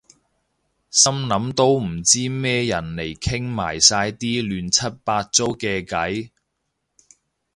心諗都唔知咩人嚟傾埋晒啲亂七八糟嘅偈